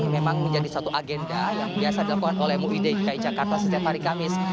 menjadi suatu agenda yang biasa dilakukan oleh muv dki jakarta setiap hari kamis